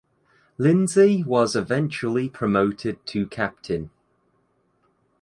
Lindsay was eventually promoted to captain.